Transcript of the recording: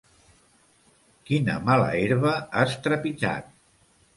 Quina mala herba has trepitjat?